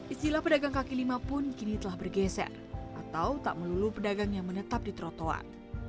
istilah pedagang kaki lima pun kini telah bergeser atau tak melulu pedagang yang menetap di trotoar